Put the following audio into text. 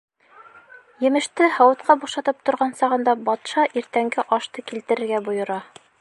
Емеште һауытҡа бушатып торған сағында, батша иртәнге ашты килтерергә бойора.